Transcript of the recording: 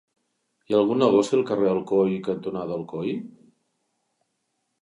Hi ha algun negoci al carrer Alcoi cantonada Alcoi?